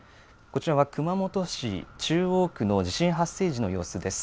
こちらは熊本市中央区の地震発生時の様子です。